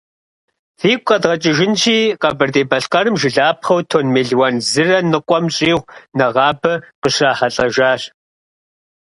Фигу къэдгъэкӏыжынщи, Къэбэрдей-Балъкъэрым жылапхъэу тонн мелуан зырэ ныкъуэм щӏигъу нэгъабэ къыщрахьэлӏэжащ.